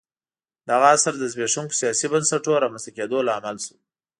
دغه عصر د زبېښونکو سیاسي بنسټونو رامنځته کېدو لامل شو